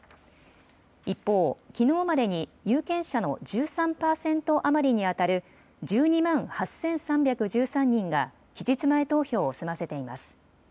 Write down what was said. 一方、きのうまでに有権者の１３％余りにあたる１２万８３１３人が期日前投票を済ませています。